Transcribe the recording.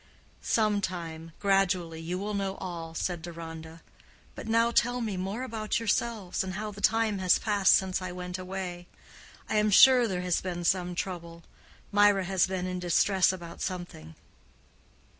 "Some time—gradually—you will know all," said Deronda. "But now tell me more about yourselves, and how the time has passed since I went away. I am sure there has been some trouble. Mirah has been in distress about something."